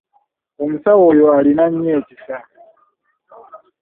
Omusawo oyo alina nnyo ekisa.